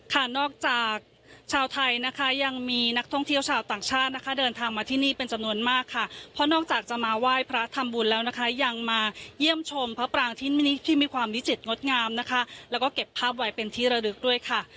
ค่ะนอกจากชาวไทยนะคะยังมีนักท่องเที่ยวชาวต่างชาตินะคะเดินทางมาที่นี่เป็นจำนวนมากค่ะเพราะนอกจากจะมาไหว้พระทำบุญแล้วนะคะยังมาเยี่ยมชมพระปรางที่มีความวิจิตรงดงามนะคะแล้วก็เก็บภาพไว้เป็นที่ระลึกด้วยค่ะ